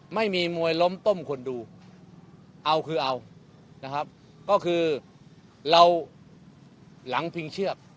ไม่มีมวยล้มต้มคนดูเอาคือเอานะครับก็คือเราหลังพิงเชือก